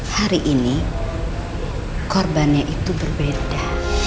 hari ini korbannya itu berbeda